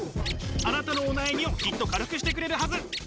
あなたのお悩みをきっと軽くしてくれるはず。